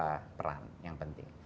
ada peran yang penting